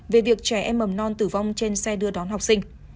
về việc trẻ em mầm non tử vong trên xe đưa đón học sinh